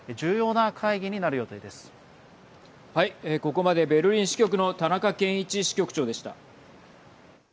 ここまでベルリン支局の田中顕一支局長でした。